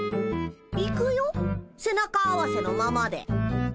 行くよ背中合わせのままで。